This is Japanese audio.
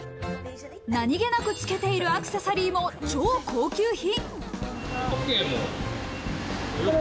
何気なくつけているアクセサリーも超高級品。